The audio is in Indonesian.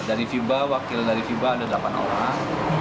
dari fiba wakil dari fiba ada delapan orang